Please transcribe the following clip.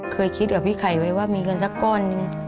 เคยคิดกับพี่ไข่ไว้ว่ามีเงินสักก้อนหนึ่ง